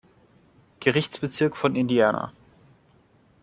Gerichtsbezirk von Indiana.